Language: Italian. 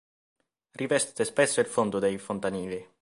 Riveste spesso il fondo dei fontanili.